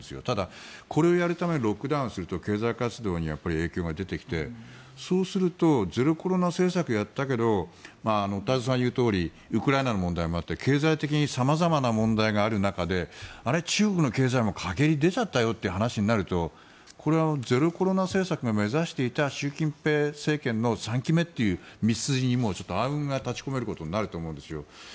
ただ、これをやるためにロックダウンすると経済活動に影響が出てきてそうするとゼロコロナ政策をやったけど太蔵さんが言うようにウクライナの問題もあって経済的に様々な問題がある中あれ、中国の経済にも陰りが出ちゃったよという話になるとゼロコロナ政策が目指していた習近平政権の３期目という道筋に暗雲が立ち込めることになると思うんですよ。